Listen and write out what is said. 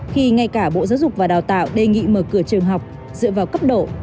khi ngay cả bộ giáo dục và đào tạo đề nghị mở cửa trường học dựa vào cấp độ